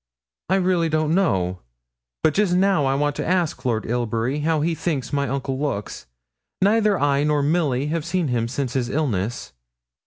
'I really don't know; but just now I want to ask Lord Ilbury how he thinks my uncle looks; neither I nor Milly have seen him since his illness.'